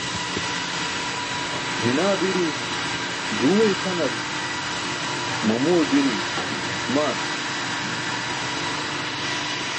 Minaa biri ẓuuwe itʰanar, mamuwe biri aasmaanar.